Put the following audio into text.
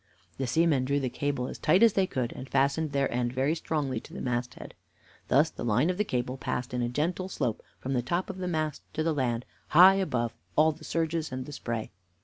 The seamen drew the cable as tight as they could, and fastened their end very strongly to the masthead. Thus the line of the cable passed in a gentle slope from the top of the mast to the land, high above all the surges and spray.